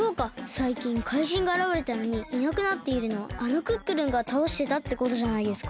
さいきん怪人があらわれたのにいなくなっているのあのクックルンがたおしてたってことじゃないですか。